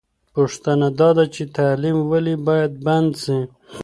پوښتنه دا ده چې تعلیم ولې باید بند سي؟